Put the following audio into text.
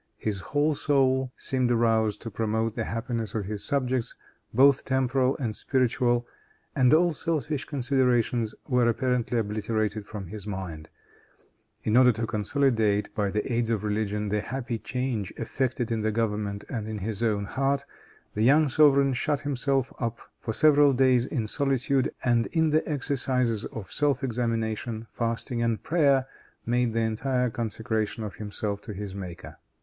His whole soul seemed aroused to promote the happiness of his subjects, both temporal and spiritual, and all selfish considerations were apparently obliterated from his mind. In order to consolidate, by the aids of religion, the happy change effected in the government and in his own heart, the young sovereign shut himself up for several days in solitude, and, in the exercises of self examination, fasting and prayer, made the entire consecration of himself to his Maker.